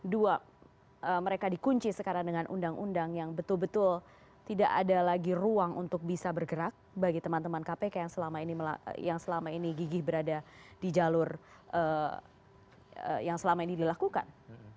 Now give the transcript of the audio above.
dua mereka dikunci sekarang dengan undang undang yang betul betul tidak ada lagi ruang untuk bisa bergerak bagi teman teman kpk yang selama ini gigih berada di jalur yang selama ini dilakukan